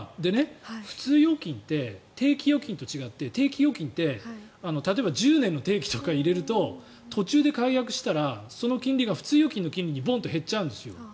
普通預金って定期預金と違って定期預金って例えば１０年も定期とか入れると途中で解約したら普通預金の金利がボーンと減っちゃうんです。